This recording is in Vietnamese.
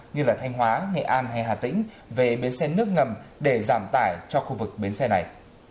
như là thanh hóa nghệ an hay hà tĩnh về biến xe nước ngầm để giảm tải cho khu vực biến xe này